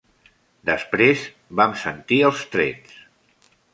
Després, vam sentir els trets.